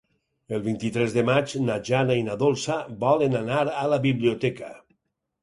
El vint-i-tres de maig na Jana i na Dolça volen anar a la biblioteca.